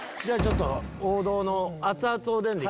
王道の。